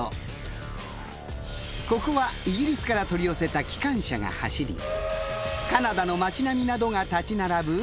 ここはイギリスから取り寄せた機関車が走りカナダの街並みなどが立ち並ぶ